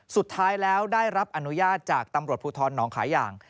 สุดท้ายแล้วได้รับอนุญาตจากตำรวจภูทรหนองขาอย่าง